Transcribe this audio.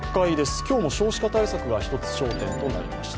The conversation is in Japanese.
今日も少子化対策が一つ焦点となりました。